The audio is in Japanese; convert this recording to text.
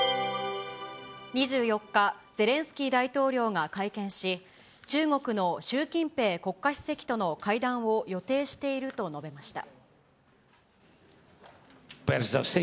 ２４日、ゼレンスキー大統領が会見し、中国の習近平国家主席との会談を予定していると述べました。